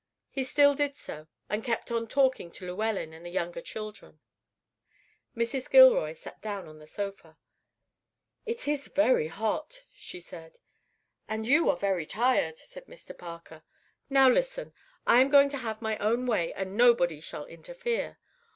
He still did so, and kept on talking to Llewellyn and the younger children. Mrs. Gilroy sat down on the sofa. "It is very hot," she said. "And you are very tired," said Mr. Parker. "Now listen; I am going to have my own way, and nobody shall interfere.